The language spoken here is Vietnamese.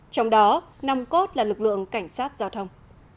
trong đó năm cốt là lực lượng cảnh sát giao thông